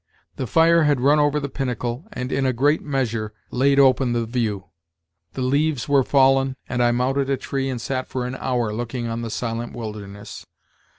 The fire had run over the pinnacle, and in a great measure laid open the view. The leaves were fallen, and I mounted a tree and sat for an hour looking on the silent wilderness.